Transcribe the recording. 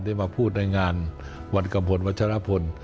ได้มาพูดในงานวันกัมพลวัชรพล